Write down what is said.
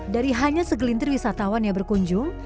dari hanya segelintir wisatawan yang berkunjung